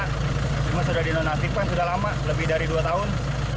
cuma sudah dinonaktifkan sudah lama lebih dari dua tahun